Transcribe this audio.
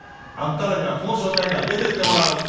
あんたらにはこの商店街出てってもらう。